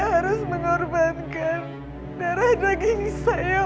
harus mengorbankan darah daging saya